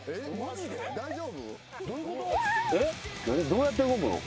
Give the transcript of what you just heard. どうやって動くの？